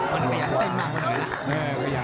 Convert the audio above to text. มันขยันเต็มมากเลยละ